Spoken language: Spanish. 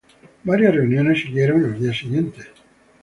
Varias reuniones siguieron en los días siguientes.